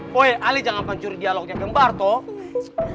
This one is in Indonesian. woy ale jangan pancur dialognya gembar toh